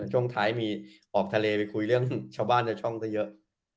ช่วงท้ายมีออกทะเลไปคุยเรื่องชาวบ้านในช่องก็เยอะ